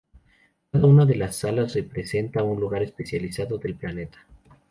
Cada una de las salas representa un lugar especializado del planeta.